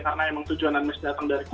karena emang tujuan unmesh datang dari karya